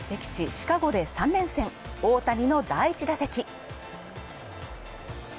シカゴで３連戦大谷の第１打席。